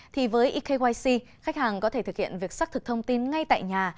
thì với ekyc khách hàng có thể thực hiện việc xác thực thông tin ngay tại nhà